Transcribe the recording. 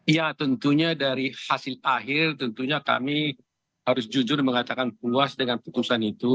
ya tentunya dari hasil akhir tentunya kami harus jujur mengatakan puas dengan putusan itu